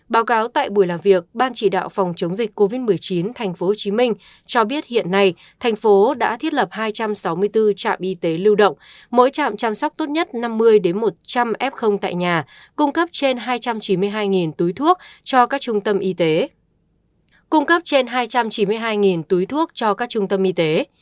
báo cáo tại buổi làm việc ban chỉ đạo phòng chống dịch covid một mươi chín tp hcm cho biết hiện nay thành phố đã thiết lập hai trăm sáu mươi bốn trạm y tế lưu động mỗi trạm chăm sóc tốt nhất năm mươi một trăm linh f tại nhà cung cấp trên hai trăm chín mươi hai túi thuốc cho các trung tâm y tế